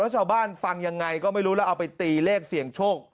เจ้าบ้านฟังยังไงก็รูลายพี่สมชอบ